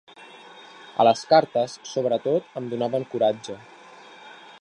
A les cartes sobretot em donaven coratge.